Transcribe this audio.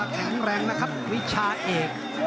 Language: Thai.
แข็งแรงนะครับวิชาเอก